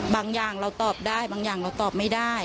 อย่างเราตอบได้บางอย่างเราตอบไม่ได้